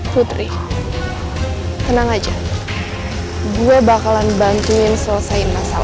pueden mereka dan kamu mulai kepuasan